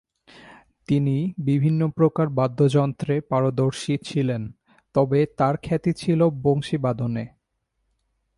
তিনি বিভিন্ন প্রকার বাদ্যযন্ত্রে পারদর্শী ছিলেন, তবে তার খ্যাতি ছিল বংশীবাদনে।